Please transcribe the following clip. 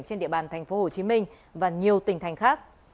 trên địa bàn tp hcm và nhiều tỉnh thành khác